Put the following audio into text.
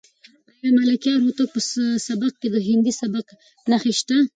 آیا د ملکیار هوتک په سبک کې د هندي سبک نښې شته؟